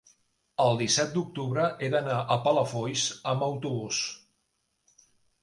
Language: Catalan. el disset d'octubre he d'anar a Palafolls amb autobús.